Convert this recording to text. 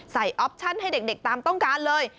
ออปชั่นให้เด็กตามต้องการเลย